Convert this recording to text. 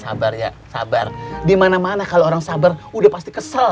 sabar ya sabar dimana mana kalau orang sabar udah pasti kesel